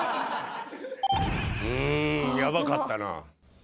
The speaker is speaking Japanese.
うーん、やばかったな。